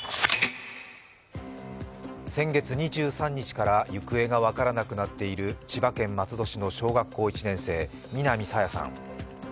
先月２３日から行方が分からなくなっている千葉県松戸市の小学校１年生南朝芽さん。